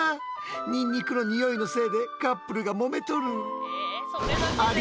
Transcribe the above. ニンニクのニオイのせいでカップルがもめとる。